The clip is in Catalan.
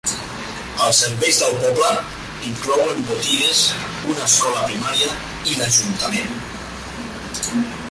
Els serveis del poble inclouen botigues, una escola primària i l'ajuntament.